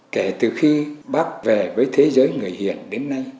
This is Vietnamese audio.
kể từ khi bác về với thế giới người hiền đến nay